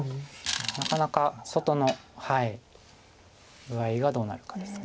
なかなか外の具合がどうなるかです。